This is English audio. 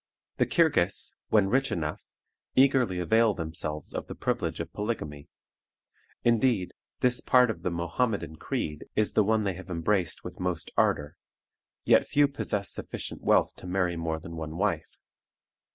The Kirghiz, when rich enough, eagerly avail themselves of the privilege of polygamy; indeed, this part of the Mohammedan creed is the one they have embraced with most ardor, yet few possess sufficient wealth to marry more than one wife.